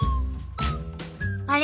あれ？